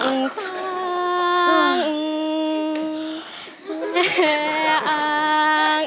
แห่งวาง